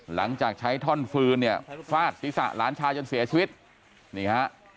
หลังจากใช้ท่อนฟืนเนี่ยฟาดศีรษะหลานชายจนเสียชีวิตนี่ฮะ